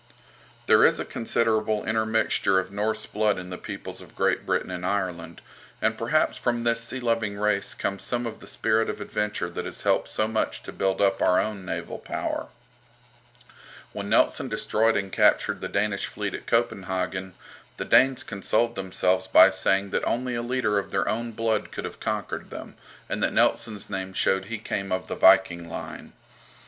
There is a considerable intermixture of Norse blood in the peoples of Great Britain and Ireland, and perhaps from this sea loving race comes some of the spirit of adventure that has helped so much to build up our own naval power. When Nelson destroyed and captured the Danish fleet at Copenhagen, the Danes consoled themselves by saying that only a leader of their own blood could have conquered them, and that Nelson's name showed he came of the Viking line.